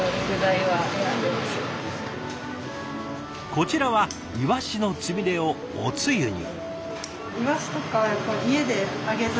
こちらはイワシのつみれをおつゆに。